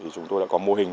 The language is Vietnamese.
chúng tôi đã có mô hình